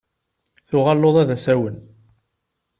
Tuɣal luḍa d asawen.